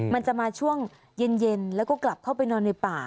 มันจะมาช่วงเย็นแล้วก็กลับเข้าไปนอนในป่า